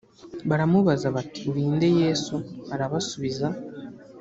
baramubaza bati uri nde yesu arabasubiza